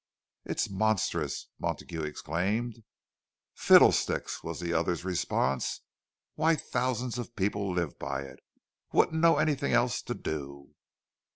"It's monstrous!" Montague exclaimed. "Fiddlesticks!" was the other's response. "Why, thousands of people live by it—wouldn't know anything else to do."